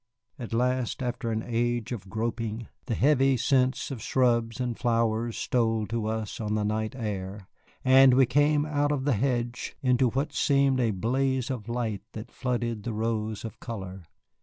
At last, after an age of groping, the heavy scents of shrubs and flowers stole to us on the night air, and we came out at the hedge into what seemed a blaze of light that flooded the rows of color.